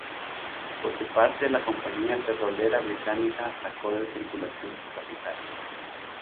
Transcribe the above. Por su parte la compañía petrolera británica sacó de circulación su capital.